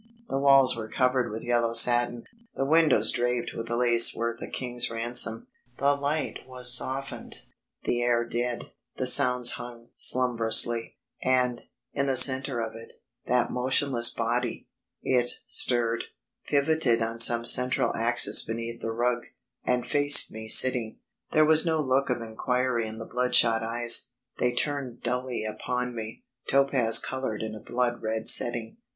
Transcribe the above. The walls were covered with yellow satin, the windows draped with lace worth a king's ransom, the light was softened, the air dead, the sounds hung slumbrously. And, in the centre of it, that motionless body. It stirred, pivoted on some central axis beneath the rug, and faced me sitting. There was no look of inquiry in the bloodshot eyes they turned dully upon me, topaz coloured in a blood red setting.